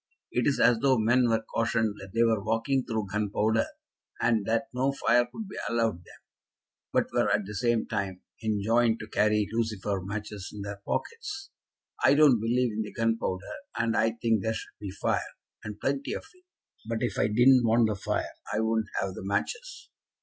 It is as though men were cautioned that they were walking through gunpowder, and that no fire could be allowed them, but were at the same time enjoined to carry lucifer matches in their pockets. I don't believe in the gunpowder, and I think there should be fire, and plenty of it; but if I didn't want the fire I wouldn't have the matches."